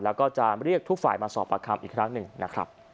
แล้วก็จะเรียกทุกฝ่ายมาสอบประคำอีกครั้งหนึ่งนะครับ